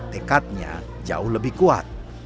dekatnya jauh lebih kuat